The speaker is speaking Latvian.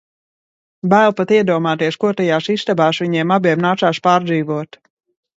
Bail pat iedomāties, ko tajās istabās viņiem abiem nācās pārdzīvot...